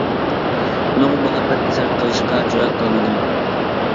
ئۇنىڭغا مۇھەببەت ئىزھار قىلىشقا جۈرئەت قىلالمىدىم.